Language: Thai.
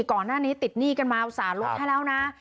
ก่อนหน้านี้ติดหนี้กันมาอุตส่าหลดให้แล้วนะ